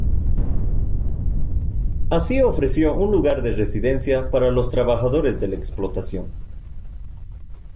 Así ofreció un lugar de residencia para los trabajadores de la explotación.